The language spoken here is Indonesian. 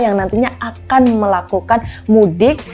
yang nantinya akan melakukan mudik